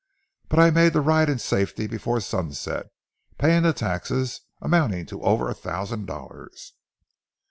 But I made the ride in safety before sunset, paying the taxes, amounting to over a thousand dollars.